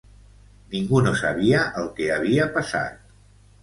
Ningú no sabia el que havia passat.